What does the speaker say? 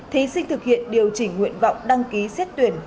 thí sinh thực hiện điều chỉnh nguyện vọng đăng ký xét tuyển